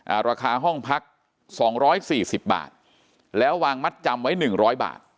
ราคาห้องพักสองร้อยสี่สิบบาทแล้ววางมัดจำไว้หนึ่งร้อยบาท